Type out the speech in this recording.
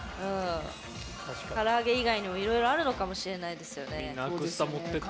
唐揚げ以外にもいろいろあるかもしれないですよね。